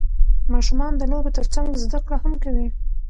ماشومان د لوبو ترڅنګ زده کړه هم کوي